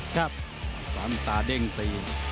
สามตาเด้งตี